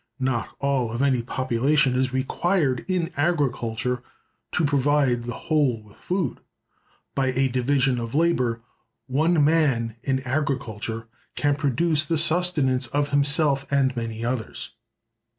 Not all of any population is required in agriculture to provide the whole with food. By a division of labor, one man in agriculture can produce the sustenance of himself and many others.